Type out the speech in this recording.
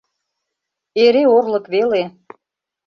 Эре орлык веле.